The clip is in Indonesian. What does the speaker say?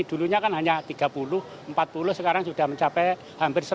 dulunya kan hanya tiga puluh empat puluh sekarang sudah mencapai hampir